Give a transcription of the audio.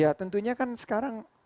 ya tentunya kan sekarang